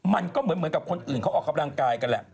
มันก็เหมือนกับคนอื่นเขาออกกำลังกายกันแหละ